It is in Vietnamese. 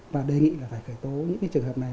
và đề nghị phải khởi tố những trường hợp này